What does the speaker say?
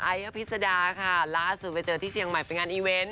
อภิษดาค่ะล่าสุดไปเจอที่เชียงใหม่ไปงานอีเวนต์